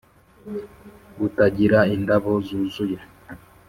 butagira indabo zuzuye